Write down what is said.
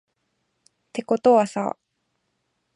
てことはさ